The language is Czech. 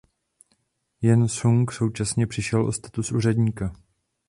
Jen Sung současně přišel o status úředníka.